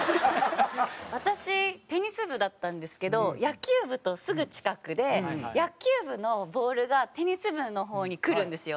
私テニス部だったんですけど野球部とすぐ近くで野球部のボールがテニス部の方に来るんですよ。